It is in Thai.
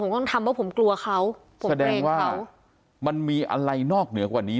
ผมต้องทำว่าผมกลัวเขาผมแสดงว่ามันมีอะไรนอกเหนือกว่านี้